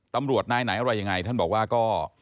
ตำรวจนายไหนอะไรยังไงท่านบอกว่าก็